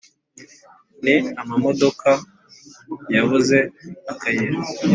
Ni amamodoka yabuze akayira: